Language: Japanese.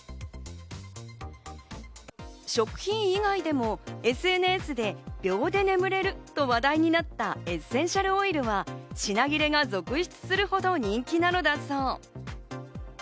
食品以外でもＳＮＳで秒で眠れると話題になったエッセンシャルオイルは、品切れが続出するほど人気なのだそう。